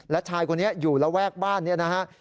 และชายคนนี้อยู่ระแวกบ้านนี้นะครับ